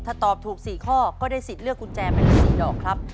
ถ้าตอบถูก๔ข้อก็ได้สิทธิ์เลือกกุญแจไปแล้ว๔ดอกครับ